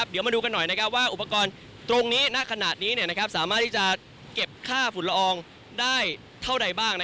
เดี๋ยวมาดูกันหน่อยว่าอุปกรณ์ตรงนี้ณขณะนี้สามารถที่จะเก็บค่าฝุ่นละอองได้เท่าใดบ้าง